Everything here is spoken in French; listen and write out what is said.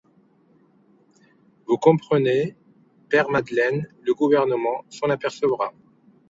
Vous comprenez, père Madeleine, le gouvernement s’en apercevra.